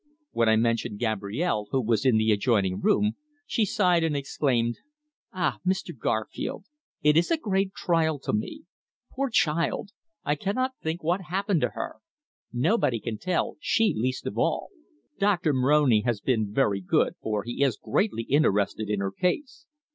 When I mentioned Gabrielle, who was in the adjoining room, she sighed and exclaimed: "Ah! Mr. Garfield. It is a great trial to me. Poor child! I cannot think what happened to her. Nobody can tell, she least of all. Doctor Moroni has been very good, for he is greatly interested in her case.